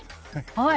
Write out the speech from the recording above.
はい。